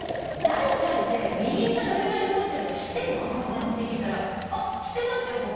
ダイちゃんってみりんがどれぐらい残ってるか知ってんの？って聞いたらあっ知ってますよ